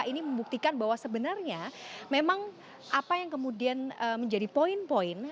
ini membuktikan bahwa sebenarnya memang apa yang kemudian menjadi poin poin